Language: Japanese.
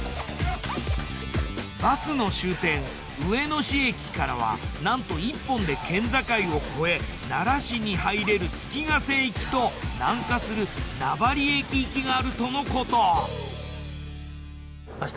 バスの終点上野市駅からはなんと１本で県境を越え奈良市に入れる月ヶ瀬行きと南下する名張駅行きがあるとのこと。